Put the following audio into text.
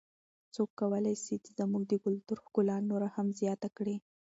څوک کولای سي چې زموږ د کلتور ښکلا نوره هم زیاته کړي؟